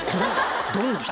どんな人？